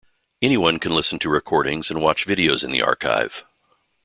Anyone can listen to recordings and watch videos in the archive.